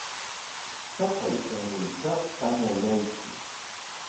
Taqay shamuykaqqa ñañaykim.